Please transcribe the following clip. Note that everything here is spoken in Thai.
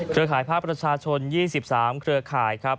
เครือข่ายภาคประชาชน๒๓เครือข่ายครับ